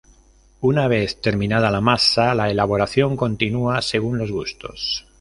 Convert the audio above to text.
Una vez terminada la masa, la elaboración continúa según los gustos.